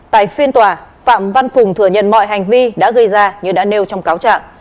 tại phiên tòa phạm văn phùng thừa nhận mọi hành vi đã gây ra như đã nêu trong cáo trạng